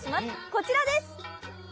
こちらです！